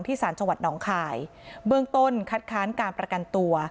สารจังหวัดหนองคายเบื้องต้นคัดค้านการประกันตัว